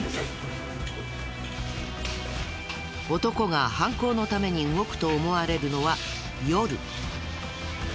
男が犯行のために動くと思われるのは夜。